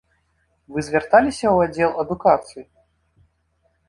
Вы звярталіся ў аддзел адукацыі?